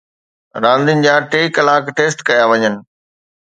راندين جا ٽي ڪلاڪ ٽيسٽ ڪيا وڃن